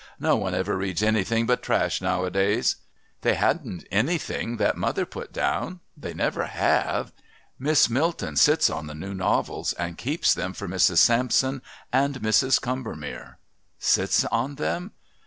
No one ever reads anything but trash nowadays." "They hadn't anything that mother put down. They never have. Miss Milton sits on the new novels and keeps them for Mrs. Sampson and Mrs. Combermere." "Sits on them?"